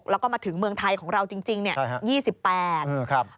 แล้วก็มาถึงเมืองไทยของเราจริงเนี่ย